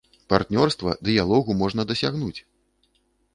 Партнёрства, дыялогу можна дасягнуць.